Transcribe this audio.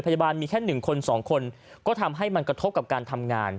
พยาบาลมีแค่๑คน๒คนก็ทำให้มันกระทบกับการทำงาน